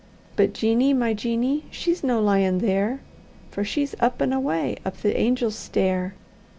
But Jeanie, my Jeanie she's no lyin' there, For she's up and awa' up the angels' stair.